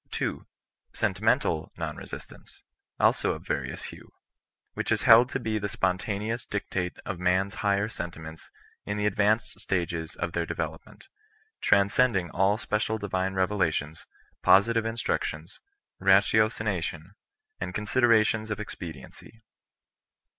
2, Sentimental non resistance, also (^various hue ; which is held to be the spontaneous dictate of man^s higher sentiments in the advanced stages of their development, transcending all special divine revelations, positive in structions, ratiocination, and considerations of expedi ency.